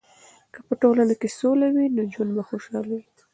که په ټولنه کې سوله وي، نو ژوند به خوشحاله وي.